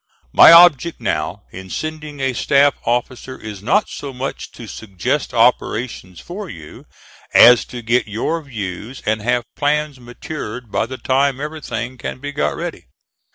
My object now in sending a staff officer is not so much to suggest operations for you, as to get your views and have plans matured by the time everything can be got ready.